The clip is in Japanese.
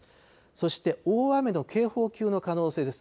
そして大雨の警報級の可能性です。